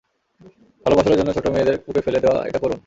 ভাল ফসলের জন্য ছোট মেয়েদের কূপে ফেলে দেওয়া, এটা করুণ।